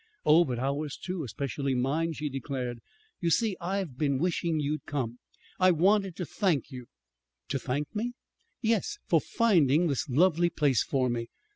"Oh, but ours, too, especially mine," she declared. "You see, I've been wishing you'd come. I wanted to thank you." "To thank me?" "Yes; for finding this lovely place for me."